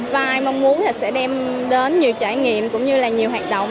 vi mong muốn là sẽ đem đến nhiều trải nghiệm cũng như là nhiều hoạt động